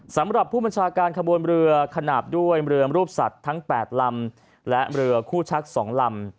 สำหรับผู้บัญชาการขบวนเรือขนาดด้วยเรือรูปสัตว์ทั้ง๘ลำและเรือคู่ชัก๒ลำ